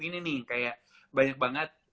ini nih kayak banyak banget